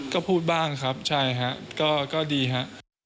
ก็พูดบ้างครับใช่ฮะก็ดีฮะ